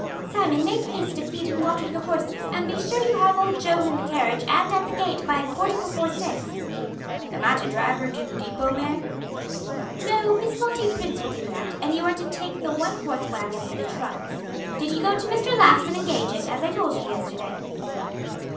Simon make haste to feed and water your horses and be sure you have old Joan in the carriage and at the gate by a quarter before six." "Am I to drive her to the depot, ma'am?" "No, Miss Lottie Prince will do that, and you are to take the one horse wagon for the trunks. Did you go to Mr. Laugh's and engage it, as I told you yesterday?"